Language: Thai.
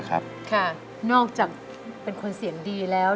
ค่ะนอกจากเป็นคนเสียงดีแล้ว